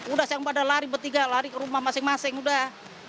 udah yang pada lari bertiga lari ke rumah masing masing udah